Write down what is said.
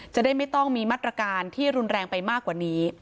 จะได้ไม่ต้องมีมาตรการที่รุนแรงไปมากกว่านี้